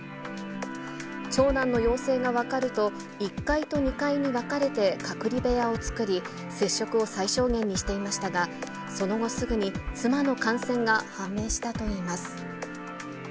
長男の陽性が分かると、１階と２階に分かれて隔離部屋を作り、接触を最小限にしていましたが、その後、すぐに妻の感染が判明したといいます。